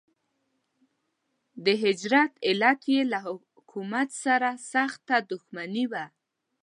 د هجرت علت یې له حکومت سره سخته دښمني وه.